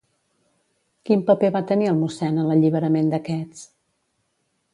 Quin paper va tenir el mossèn en l'alliberament d'aquests?